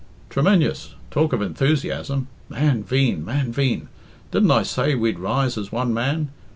"Tremenjous! Talk of enthusiasm! Man veen, man veen! Didn't I say we'd rise as one man?